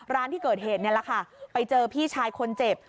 ร้านที่เกิดเหตุนี่แหละค่ะไปเจอพี่ชายคนเจ็บ